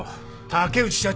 竹内社長。